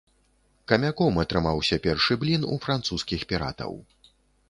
Камяком атрымаўся першы блін у французскіх піратаў.